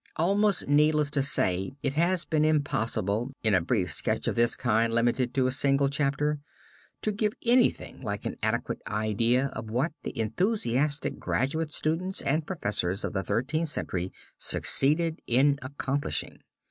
Almost needless to say it has been impossible, in a brief sketch of this kind limited to a single chapter, to give anything like an adequate idea of what the enthusiastic graduate students and professors of the Thirteenth Century succeeded in accomplishing.